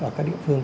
ở các địa phương